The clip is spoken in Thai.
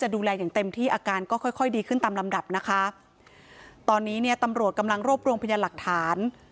ดูแลอย่างเต็มที่อาการก็ค่อยค่อยดีขึ้นตามลำดับนะคะตอนนี้เนี่ยตำรวจกำลังรวบรวมพยานหลักฐาน